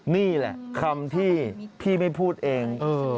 นี่แหละคำที่พี่ไม่พูดเอง